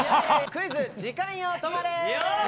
クイズ時間よ止まれ！